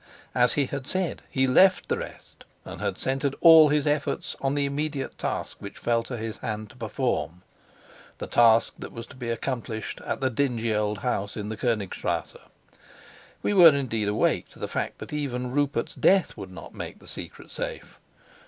As he had said, he left the rest, and had centered all his efforts on the immediate task which fell to his hand to perform, the task that was to be accomplished at the dingy old house in the Konigstrasse. We were indeed awake to the fact that even Rupert's death would not make the secret safe.